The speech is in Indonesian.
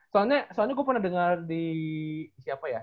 soalnya soalnya gue pernah dengar di siapa ya